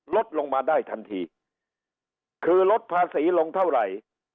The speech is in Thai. ลดลงมาได้ทันทีคือลดภาษีลงเท่าไหร่